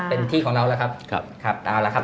เป็นที่ของเราแล้วครับ